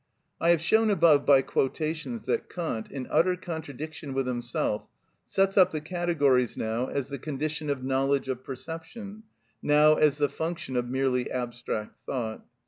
I have shown above by quotations that Kant, in utter contradiction with himself, sets up the categories now as the condition of knowledge of perception, now as the function of merely abstract thought.